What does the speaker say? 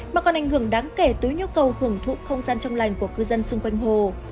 mà còn ảnh hưởng đáng kể tới nhu cầu hưởng thụ không gian trong lành của cư dân xung quanh hồ